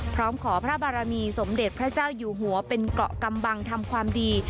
พร้อมขอพระบารมีสมเด็จพระเจ้าอยู่หัวเป็นเกาะกำบังทำความดี